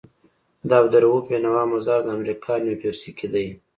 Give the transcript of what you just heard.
د عبدالروف بينوا مزار دامريکا نيوجرسي کي دی